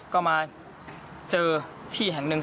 ก็มาเจอที่แห่งหนึ่ง